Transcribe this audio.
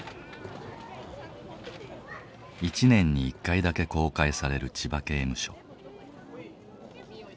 一年に１回だけ公開される千葉刑務所。